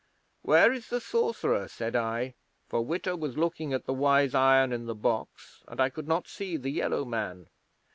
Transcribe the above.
'"Where is the Sorcerer?" said I, for Witta was looking at the Wise Iron in the box, and I could not see the Yellow Man.